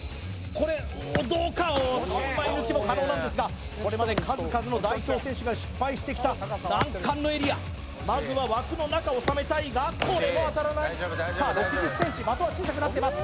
これどうか３枚抜きも可能なんですがこれまで数々の代表選手が失敗してきた難関のエリアまずは枠の中おさめたいがこれも当たらないさあ６０ｃｍ的は小さくなってます